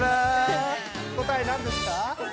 答え何ですか？